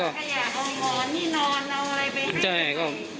หมอนที่นอนเอาอะไรไปให้แก